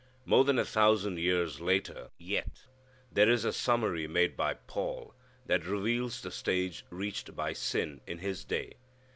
More than a thousand years later yet, there is a summary made by Paul that reveals the stage reached by sin in his day.